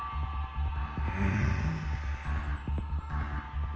うん。